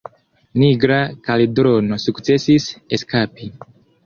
Nigra Kaldrono sukcesis eskapi.